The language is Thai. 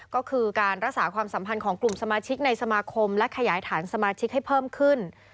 ก็คือการรักษาความสัมพันธ์ของกลุ่มสมาชิกในสมาคมและขยายฐานสมาชิกให้เพิ่มขึ้น